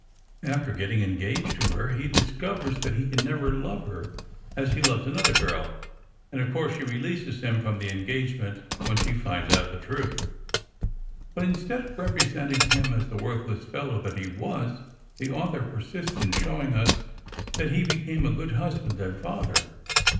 After getting engaged to her, he discovers that he can never love her as he loves another girl; and of course she releases him from the engagement when she finds out the truth. But instead of representing him as the worthless fellow that he was, the author persists in showing us that he became a good husband and father.